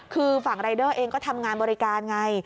คือฝั่งรายเดอร์เองก็ทำงานบริการไง